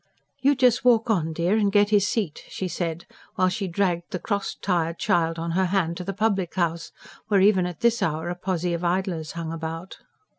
"You just walk on, dear, and get his seat," she said, while she dragged the cross, tired child on her hand to the public house, where even at this hour a posse of idlers hung about.